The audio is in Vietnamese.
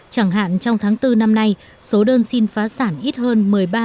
chẳng hạn trong tháng bốn năm nay số đơn xin phá sản ít hơn một mươi ba